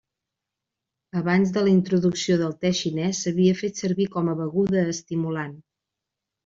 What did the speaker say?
Abans de la introducció del te xinès s'havia fet servir com a beguda estimulant.